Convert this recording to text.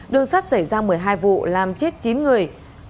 đường sắt xảy ra một mươi hai vụ làm chết chín người